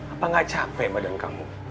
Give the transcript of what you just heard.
apa gak capek badan kamu